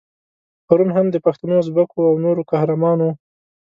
پرون هم د پښتنو، ازبکو او نورو قهرمان وو.